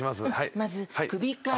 まず首から。